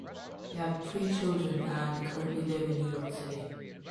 They have three children and currently live in New York City.